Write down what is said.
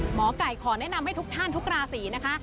หมอไก่ขอแนะนำให้ทุกท่านทุกราศีนะคะ